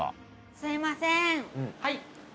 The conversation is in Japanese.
すいません。